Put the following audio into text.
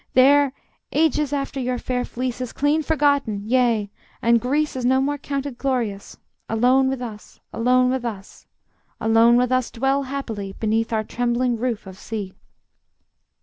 There, ages after your fair fleece Is clean forgotten, yea, and Greece Is no more counted glorious, Alone with us, alone with us, Alone with us, dwell happily, Beneath our trembling roof of sea.